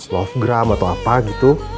lovegram atau apa gitu